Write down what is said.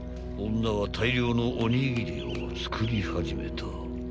女は大量のおにぎりを作り始めた］